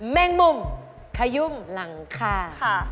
เฮยุ่มหลังคา